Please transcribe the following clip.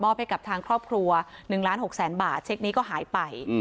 ให้กับทางครอบครัว๑ล้าน๖แสนบาทเช็คนี้ก็หายไป